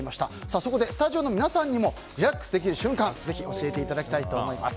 そこで、スタジオの皆さんにもリラックスできる瞬間教えていただきたいと思います。